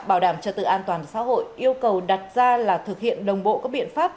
bảo đảm trật tự an toàn xã hội yêu cầu đặt ra là thực hiện đồng bộ các biện pháp